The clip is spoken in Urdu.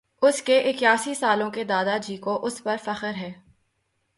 اُس کے اِکیاسی سالوں کے دادا جی کو اُس پر فخر ہے